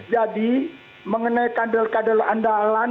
mengenai kader kader andalan